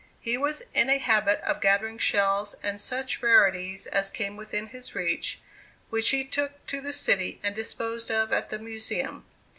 He was in a habit of gathering shells and such rarities as came within his reach, which he took to the city and disposed of at the Museum.